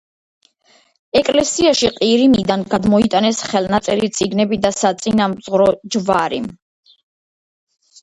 ეკლესიაში ყირიმიდან გადმოიტანეს ხელნაწერი წიგნები და საწინამძღვრო ჯვარი.